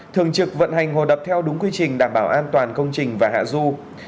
thường trực vận hành hồ đập theo đúng quy trình đảm bảo an toàn công trình và hạ du